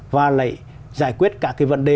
và lại giải quyết cả cái vận đề